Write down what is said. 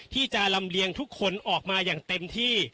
ที่จะลำเลียงทุกคนออกมาอย่างเต็มที่